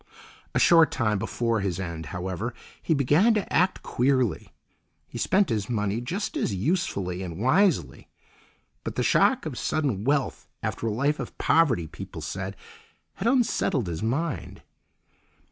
A short time before his end, however, he began to act queerly. He spent his money just as usefully and wisely, but the shock of sudden wealth after a life of poverty, people said, had unsettled his mind.